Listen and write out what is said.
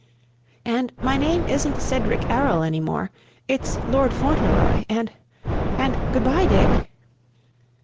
"And my name isn't Cedric Errol any more; it's Lord Fauntleroy and and good bye, Dick."